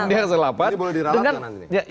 ini boleh diralakan nanti